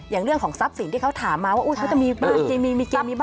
อย่างเรื่องของทรัพย์สิ่งที่เขาถามมีแบบเกมีมีบ้านอะไรแบบนี้